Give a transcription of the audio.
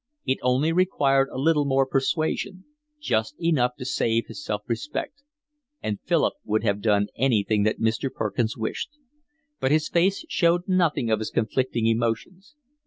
It only required a little more persuasion, just enough to save his self respect, and Philip would have done anything that Mr. Perkins wished; but his face showed nothing of his conflicting emotions.